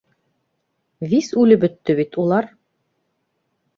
Вис үлеп бөттө бит улар!